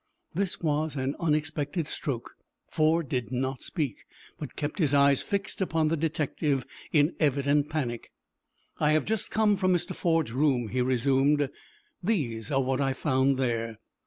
This was an unexpected stroke. Ford did not speak, but kept his eyes fixed upon the detective in evident panic. "I have just come from Mr. Ford's room," he resumed. "These are what I found there."